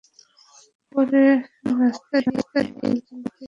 পরে দেখেন, রাস্তা দিয়ে একজন বিদেশি নাগরিক দৌড়ে তাঁর দিকে এগিয়ে আসছেন।